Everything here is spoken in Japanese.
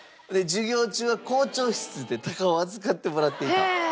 授業中は校長室で鷹を預かってもらっていたと。